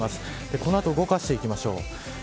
この後、動かしていきましょう。